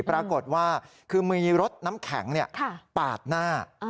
ปรากฏว่าคือมีรถน้ำแข็งปาดหน้า